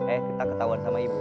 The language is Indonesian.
eh kita ketahuan sama ibu